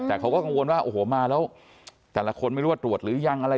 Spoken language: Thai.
แต่เขาก็กังวลว่าโอ้โหมาแล้วแต่ละคนไม่รู้ว่าตรวจหรือยังอะไร